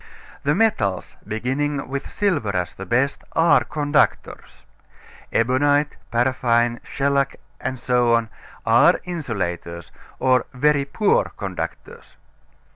The metals, beginning with silver as the best, are conductors. Ebonite, paraffine, shellac, etc., are insulators, or very poor conductors.